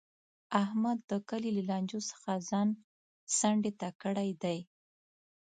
احمد د کلي له لانجو څخه ځان څنډې ته کړی دی.